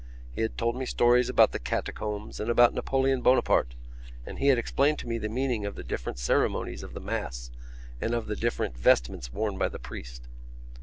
He had told me stories about the catacombs and about Napoleon Bonaparte, and he had explained to me the meaning of the different ceremonies of the Mass and of the different vestments worn by the priest.